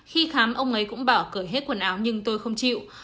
khi khám ông ấy cũng bảo cửa hết quần áo nhưng tôi không chịu